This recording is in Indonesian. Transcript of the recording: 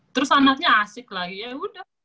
terus anaknya asik lagi ya udah